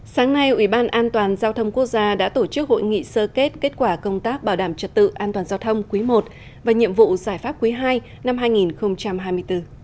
sáng nay ủy ban an toàn giao thông quốc gia đã tổ chức hội nghị sơ kết kết quả công tác bảo đảm trật tự an toàn giao thông quý i và nhiệm vụ giải pháp quý ii năm hai nghìn hai mươi bốn